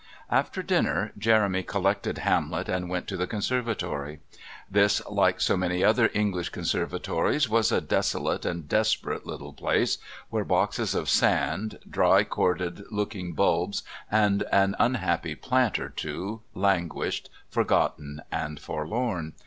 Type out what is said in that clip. After dinner Jeremy collected Hamlet and went to the conservatory. This, like so many other English conservatories, was a desolate and desperate little place, where boxes of sand, dry corded looking bulbs, and an unhappy plant or two languished, forgotten and forlorn.